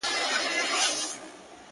چي نه په ویښه نه په خوب یې وي بګړۍ لیدلې؛